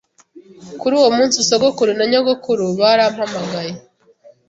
Kuri uwo munsi sogokuru na nyogokuru barampamagaye